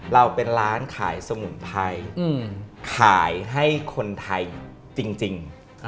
เราเป็นร้านขายสมุนไพรขายให้คนไทยจริง